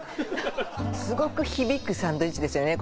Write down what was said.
すごく響くサンドイッチですよね